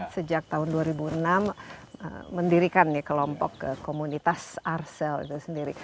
sejak tahun dua ribu enam mendirikan kelompok komunitas arsel itu sendiri